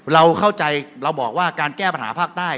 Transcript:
เราเข้าใจเราบอกว่าการแก้ปัญหาภาคใต้